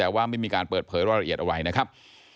แต่ว่าไม่มีการเปิดเผยรายละเอียดอะไรนะครับ